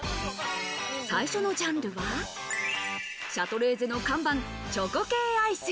最初のジャンルは、シャトレーゼの看板、チョコ系アイス。